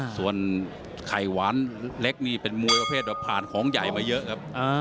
ซ่อนไข่หวานเล็กนี่มีมวยประเภทแล้วผ่านของใหญ่มาเยอะ